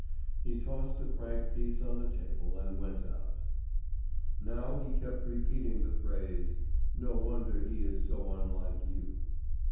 He tossed a franc piece on the table and went out. Now he kept repeating the phrase: "No wonder he is so unlike you."